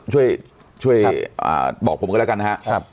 ช่วยบอกผมก็แล้วกันนะครับ